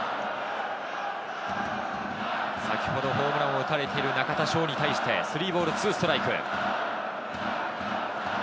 先ほどホームランを打たれている中田翔に対して３ボール２ストライク。